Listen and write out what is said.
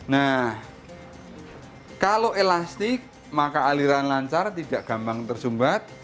nah kalau elastik maka aliran lancar tidak gampang tersumbat